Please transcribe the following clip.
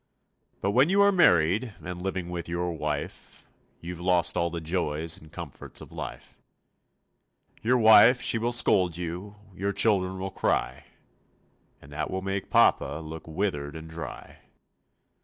But when you are married And living with your wife, You've lost all the joys And comforts of life. Your wife she will scold you, Your children will cry, And that will make papa Look withered and dry.